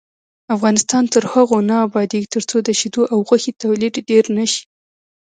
افغانستان تر هغو نه ابادیږي، ترڅو د شیدو او غوښې تولید ډیر نشي.